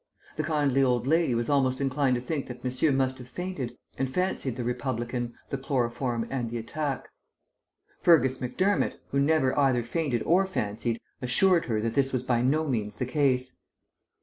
The kindly old lady was almost inclined to think that monsieur must have fainted, and fancied the Republican, the chloroform, and the attack. Fergus Macdermott, who never either fainted or fancied, assured her that this was by no means the case.